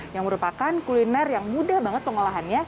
yang merupakan kuliner yang mudah banget pengolahannya